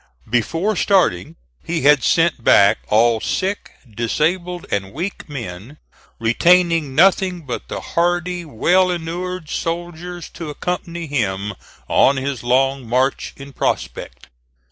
Before starting, he had sent back all sick, disabled and weak men, retaining nothing but the hardy, well inured soldiers to accompany him on his long march in prospect.